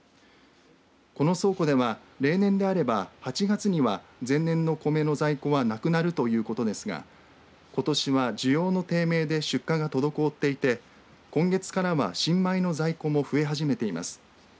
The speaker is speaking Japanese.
この倉庫では、例年であれば８月には前年のコメの在庫はなくなるということですがことしは需要の低迷で出荷が滞っていて今月からは新米の在庫も増え始めています。